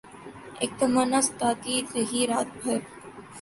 اک تمنا ستاتی رہی رات بھر